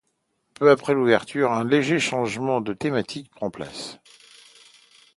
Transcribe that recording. Peu après l'ouverture, un léger changement de thématique prend place.